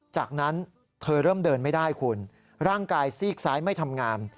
จากนั้นเธอเริ่มเดินไม่ได้คุณร่างกายซีกซ้ายไม่ทำงาน